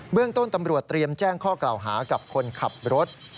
เรื่องต้นตำรวจเตรียมแจ้งข้อกล่าวหากับคนขับรถ